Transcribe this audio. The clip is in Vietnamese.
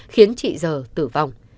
khiến chị g tử vong